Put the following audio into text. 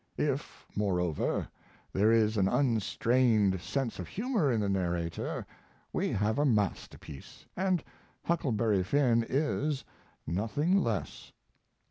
If, moreover, there is an unstrained sense of humor in the narrator we have a masterpiece, and Huckleberry Finn is, nothing less.